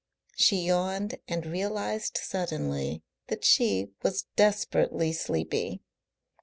She yawned and realised suddenly that she was desperately sleepy.